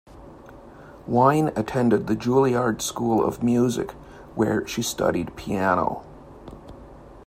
Wine attended the Juilliard School of Music, where she studied piano.